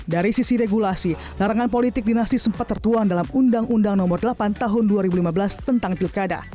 dari sisi regulasi larangan politik dinasti sempat tertuang dalam undang undang nomor delapan tahun dua ribu lima belas tentang pilkada